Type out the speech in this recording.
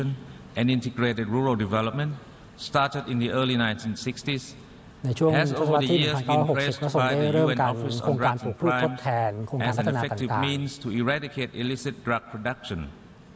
ในช่วงทศวรรษที่๑๙๖๐ประสงค์ได้เริ่มการโครงการถูกพูดทดแทนโครงการพัฒนาการก่อนกลาง